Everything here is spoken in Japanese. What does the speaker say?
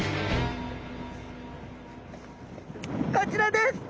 こちらです。